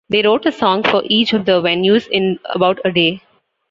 They wrote a song for each of the venues in about a day.